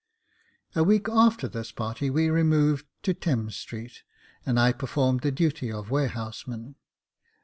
A week after this party, we removed to Thames Street, and I performed the duty of warehouseman.